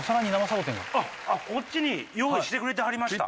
こっちに用意してくれてはりました。